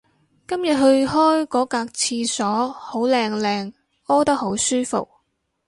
今日去開嗰格廁所好靚靚屙得好舒服